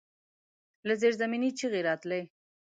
له زيرزمينې چيغې راتلې.